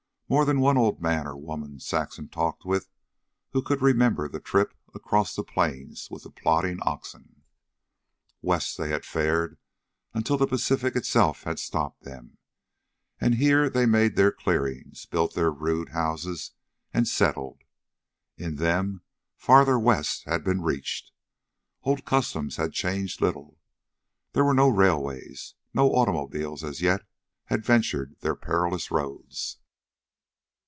More than one old man or woman Saxon talked with, who could remember the trip across the Plains with the plodding oxen. West they had fared until the Pacific itself had stopped them, and here they had made their clearings, built their rude houses, and settled. In them Farthest West had been reached. Old customs had changed little. There were no railways. No automobile as yet had ventured their perilous roads.